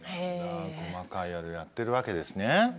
細かいあれやってるわけですね。